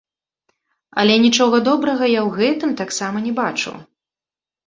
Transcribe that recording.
Але нічога добрага я ў гэтым таксама не бачу.